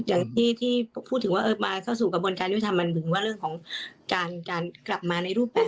อย่างที่พูดถึงว่ามาเข้าสู่กระบวนการยุทธรรมมันถึงว่าเรื่องของการกลับมาในรูปแบบ